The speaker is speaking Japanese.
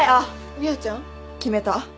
美和ちゃん？決めた。